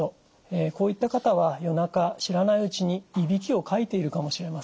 こういった方は夜中知らないうちにいびきをかいているかもしれません。